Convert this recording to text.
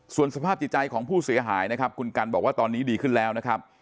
ส่วนสภาพจิตใจของผู้เสียหายนะครับคุณกันบอกว่าตอนนี้ดีขึ้นแล้วนะครับ